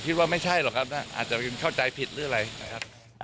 ผมคิดว่าไม่ใช่หรอกครับนะอาจจะเข้าใจผิดหรืออะไรนะครับ